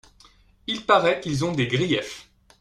Il paraît qu’ils ont des griefs.